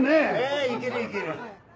あいけるいける。